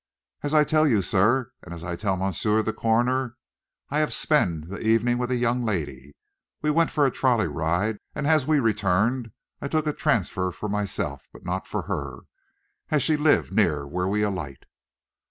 "As I tell you, sir, and as I tell monsieur, the coroner, I have spend that evening with a young lady. We went for a trolley ride, and as we returned I take a transfer for myself, but not for her, as she live near where we alight."